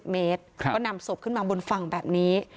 เมตรก็นำศพขึ้นมาบนฝั่งแบบนี้